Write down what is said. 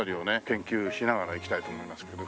研究しながら行きたいと思いますけど。